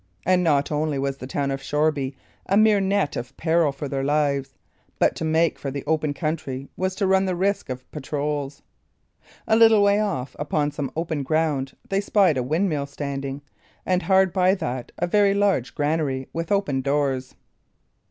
And not only was the town of Shoreby a mere net of peril for their lives, but to make for the open country was to run the risk of the patrols. A little way off, upon some open ground, they spied a windmill standing; and hard by that, a very large granary with open doors.